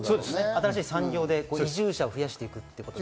新しい産業で移住者を増やしていくということ。